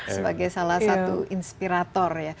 sebagai salah satu inspirator ya